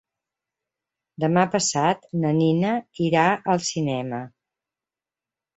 Demà passat na Nina irà al cinema.